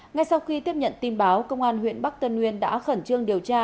ngay sau khi tiếp nhận tin báo công an huyện bắc tân uyên đã khẩn trương điều tra